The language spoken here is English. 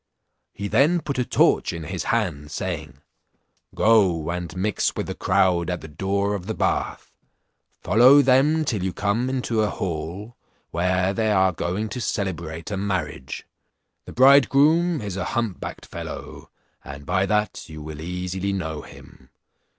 He then put a torch in his hand, saying, "Go, and mix with the crowd at the door of the bath; follow them till you come into a hall, where they are going to celebrate a marriage. The bridegroom is a hump backed fellow, and by that you will easily know him.